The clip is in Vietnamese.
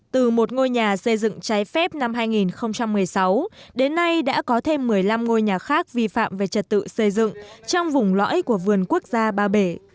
từ một ngôi nhà xây dựng trái phép năm hai nghìn một mươi sáu đến nay đã có thêm một mươi năm ngôi nhà khác vi phạm về trật tự xây dựng trong vùng lõi của vườn quốc gia ba bể